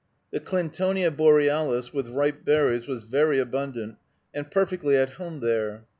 The Clintonia borealis, with ripe berries, was very abundant, and perfectly at home there.